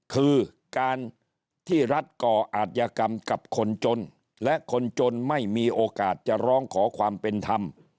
คือการที่รัฐก่ออาจยกรรมกับคนจนและคนจนไม่มีโอกาสจะร้องขอความเป็นธรรม